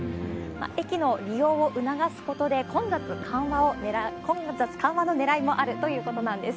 駅の利用を促すことで、混雑緩和のねらいもあるということなんです。